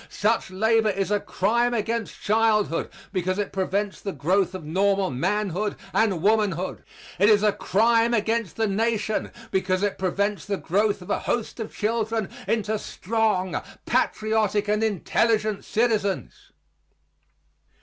Such labor is a crime against childhood because it prevents the growth of normal manhood and womanhood. It is a crime against the Nation because it prevents the growth of a host of children into strong, patriotic and intelligent citizens.